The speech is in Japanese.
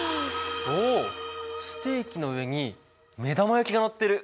おステーキの上に目玉焼きがのってる。